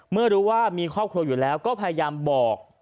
เมื่อรู้ว่ามีครอบครัวอยู่แล้วก็พยายามบอก